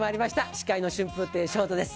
司会の春風亭昇太です。